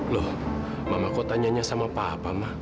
loh mama kok tanyanya sama papa ma